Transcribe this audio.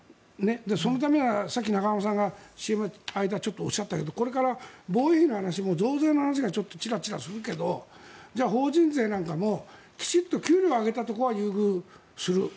そのためにはさっき永濱さんがＣＭの間にこれから防衛費の話も増税の話がちらちらするけどじゃあ法人税なんかもきちんと給料を上げたところは優遇する。